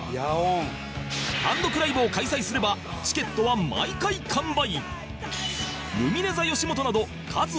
単独ライブを開催すればチケットは毎回完売